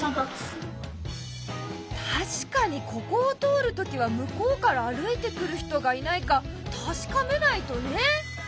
確かにここを通るときは向こうから歩いてくる人がいないか確かめないとね。